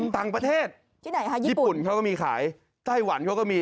ต่างประเทศที่ไหนคะญี่ปุ่นเขาก็มีขายไต้หวันเขาก็มี